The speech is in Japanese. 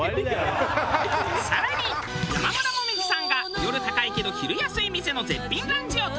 更に山村紅葉さんが夜高いけど昼安い店の絶品ランチを堪能！